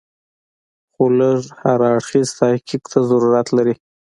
خو لږ هر اړخیز تحقیق ته ضرورت لري.